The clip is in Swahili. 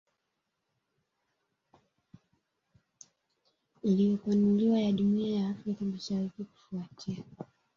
iliyopanuliwa ya Jumuiya ya Afrika Mashariki kufuatia